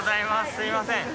すいません。